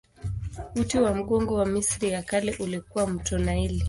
Uti wa mgongo wa Misri ya Kale ulikuwa mto Naili.